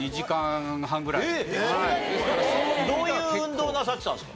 どういう運動をなさってたんですか？